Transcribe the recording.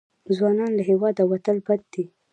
ځوانان له هېواده وتل بد دي.